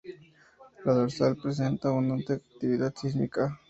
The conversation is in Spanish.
La dorsal presenta abundante actividad sísmica.